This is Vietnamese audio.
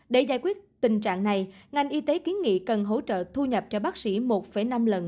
để giải quyết tình trạng này ngành y tế kiến nghị cần hỗ trợ thu nhập cho bác sĩ một năm lần